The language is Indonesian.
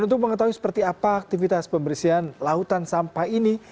untuk mengetahui seperti apa aktivitas pembersihan lautan sampah ini